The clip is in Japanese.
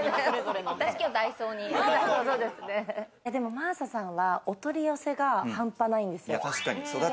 真麻さんはお取り寄せが半端ないんですよ。